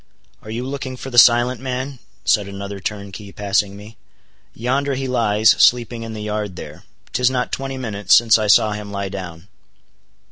"Are you looking for the silent man?" said another turnkey passing me. "Yonder he lies—sleeping in the yard there. 'Tis not twenty minutes since I saw him lie down."